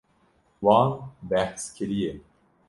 Wan behs kiriye.